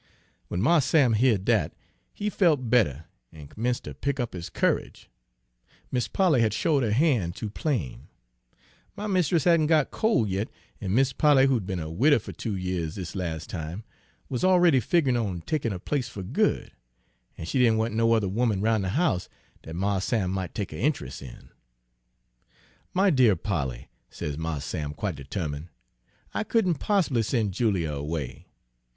"Wen Mars Sam beared dat, he felt better, an' 'mence' ter pick up his courage. Mis' Polly had showed her ban' too plain. My mist'ess hadn' got col' yit, an' Mis' Polly, who'd be'n a widder fer two years dis las' time, wuz already fig'rin' on takin' her place fer good, an' she did n! want no other woman roun' de house dat Mars Sam might take a' intrus' in. "'My dear Polly,' says Mars Sam, quite determine', 'I couldn' possibly sen' Julia 'way.